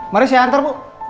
mari saya hantar bu